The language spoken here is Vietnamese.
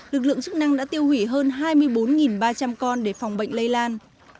lực lượng chức năng đã tiêu hủy hơn hai mươi bốn ba trăm linh con để phòng bệnh lây lan